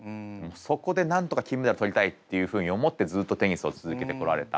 そこでなんとか金メダル取りたいっていうふうに思ってずっとテニスを続けてこられた。